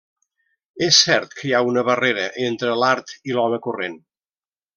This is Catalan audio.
És cert que hi ha una barrera entre l'art i l'home corrent.